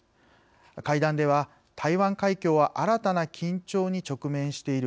会談では、台湾海峡は新たな緊張に直面している。